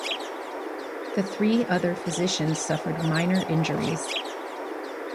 The three other physicians suffered minor injuries.